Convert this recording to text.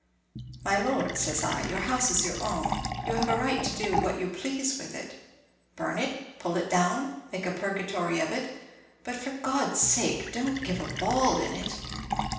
'My Lord,' says I, 'your house is your own; you have a right to do what you please with it; burn it; pull it down; make a purgatory of it; but, for God's sake, don't give a ball in it!'